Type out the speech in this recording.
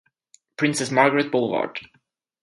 Princess Margaret Blvd.